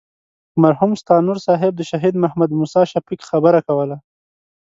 مرحوم ستانور صاحب د شهید محمد موسی شفیق خبره کوله.